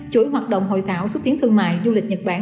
chuỗi hoạt động hội thảo xúc tiến thương mại du lịch nhật bản